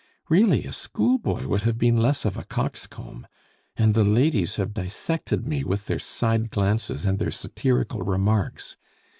Really, a schoolboy would have been less of a coxcomb. And the ladies have dissected me with their side glances and their satirical remarks.